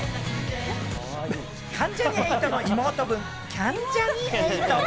関ジャニ∞の妹分・キャンジャニ。